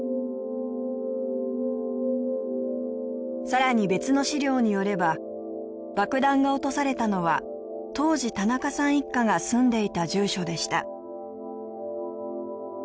さらに別の資料によれば爆弾が落とされたのは当時田中さん一家が住んでいた住所でした。